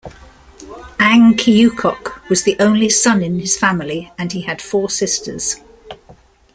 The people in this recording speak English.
Ang Kiukok was the only son in his family and he had four sisters.